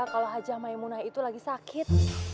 kalau hajah maimunah itu lagi sakit